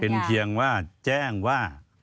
เป็นเพียงว่าแจ้งว่า